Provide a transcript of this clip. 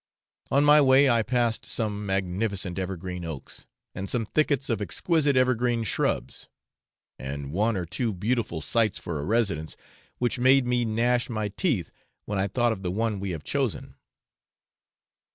On my way I passed some magnificent evergreen oaks, and some thickets of exquisite evergreen shrubs, and one or two beautiful sites for a residence, which made me gnash my teeth when I thought of the one we have chosen.